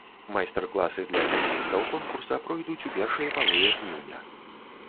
Майстар-класы для фіналістаў конкурса пройдуць у першай палове жніўня.